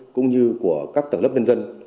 cũng như của các tầng lớp nhân dân